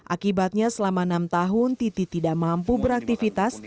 akibatnya selama enam tahun titi tidak mampu beraktivitas